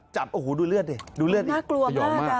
จับโอ้โหดูเลือดดิดูเลือดน่ากลัวสยองมาก